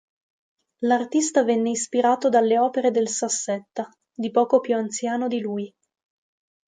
L'artista venne ispirato dalle opere del Sassetta, di poco più anziano di lui.